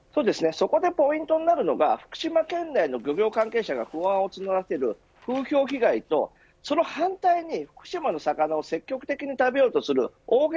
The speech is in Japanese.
そこでポイントになるのが福島県内の漁業関係者が不安を募らせる風評被害とその反対に福島の魚を積極的に食べようとする応援